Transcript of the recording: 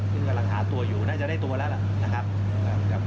ซึ่งก็รักษาตัวอยู่น่าจะได้ตัวแล้วนะครับ